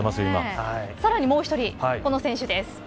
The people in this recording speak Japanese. さらにもう１人この選手です。